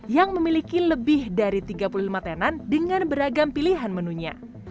yang memiliki lebih dari tiga puluh lima tenan dengan beragam pilihan menunya